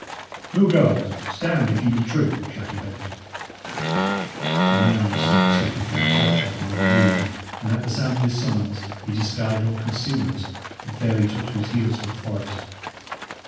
"Who goes? Stand! if ye be true!" shouted Bennet. A man was seen slipping through the churchyard among the yews; and at the sound of this summons he discarded all concealment, and fairly took to his heels for the forest.